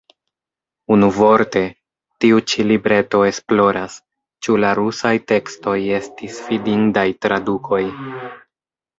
Unuvorte, tiu ĉi libreto esploras, ĉu la rusaj tekstoj estis fidindaj tradukoj.